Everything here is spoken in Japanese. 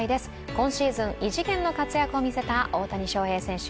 今シーズン異次元の活躍を見せた大谷翔平選手